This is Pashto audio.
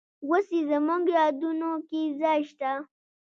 اوس یې زموږ یادونو کې ځای شته.